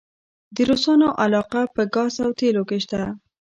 د روسانو علاقه په ګاز او تیلو کې شته؟